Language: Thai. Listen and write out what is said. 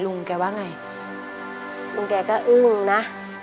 ลุงแกว่าไงลุงแกก็อึ้งนะ